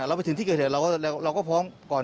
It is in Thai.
เราไปถึงที่เกิดเหตุเราก็พร้อมก่อน